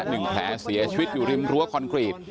หนึ่งแผลเสียชีวิตอยู่ริมรั้วคอนกรีต